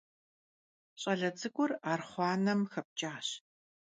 Ş'ale ts'ık'ur arxhuanem xepç'aş.